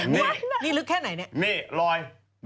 นี่นี่ลึกแค่ไหนเนี่ย